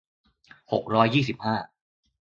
หกร้อยยี่สิบห้า